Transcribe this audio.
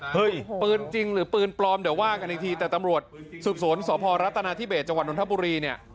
ปืนจริงหรือปืนปลอมเดี๋ยวว่ากันอีกทีแต่ตำรวจสืบสวนสพรัฐนาธิเบสจังหวัดนทบุรีเนี่ย